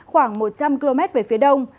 khoảng một trăm linh km về phía đông